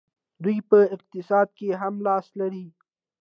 دوی په اقتصاد کې هم لاس لري.